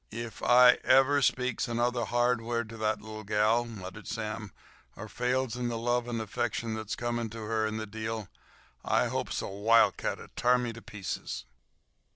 "Ef I ever speaks another hard word to ther little gal," muttered Sam, "or fails in the love and affection that's coming to her in the deal, I hopes a wildcat'll t'ar me to pieces."